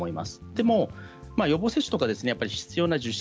でも予防接種とか必要な受診